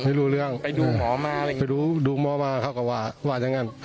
ไม่รู้เรื่องไปดูหมอมาอะไรอย่างนี้ไม่รู้ดูหมอมาเขาก็ว่าว่าอย่างนั้น